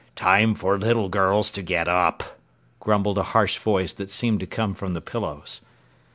"Time for little girls to get up," grumbled a harsh voice that seemed to come from the pillows.